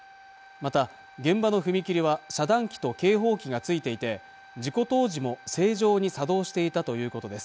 また現場の踏切は遮断機と警報機が付いていて事故当時も正常に作動していたということです